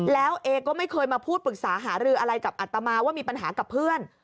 แล้วเอก็ไม่เคยมาพูดปรึกษาหารืออะไรกับอัตมาว่ามีปัญหากับเพื่อน